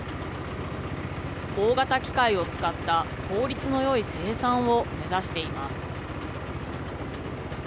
大型機械を使った効率のよい生産を目指しています。